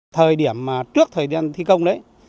thời điểm trước thời tiên thi công đấy